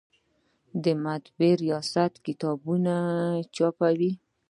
د مطبعې ریاست کتابونه چاپوي؟